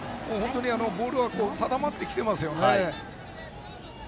ボールは定まってきてますよね。